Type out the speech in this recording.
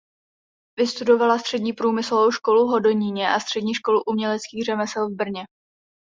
Vystudovala střední průmyslovou školu v Hodoníně a Střední školu uměleckých řemesel v Brně.